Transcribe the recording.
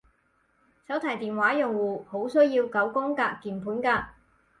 手提電話用戶好需要九宮格鍵盤㗎